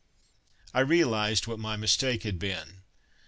I realized what my mistake had been.